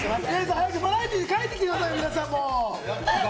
早くバラエティーに帰ってきてくださいよ。